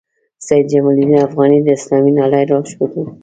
سید جمال الدین افغاني د اسلامي نړۍ لارښود وو.